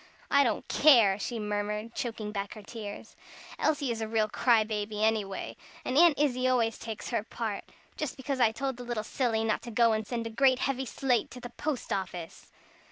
"I don't care!" she murmured, choking back her tears. "Elsie is a real cry baby, anyway. And Aunt Izzie always takes her part. Just because I told the little silly not to go and send a great heavy slate to the post office!"